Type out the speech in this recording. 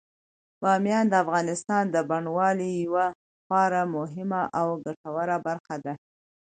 بامیان د افغانستان د بڼوالۍ یوه خورا مهمه او ګټوره برخه ده.